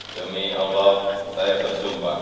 demi allah saya bersumpah